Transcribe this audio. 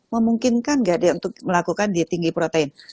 memungkinkan tidak dia untuk melakukan tinggi protein